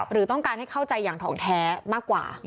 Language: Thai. หรือต้องการให้เข้าใจอย่างทองแท้มากกว่า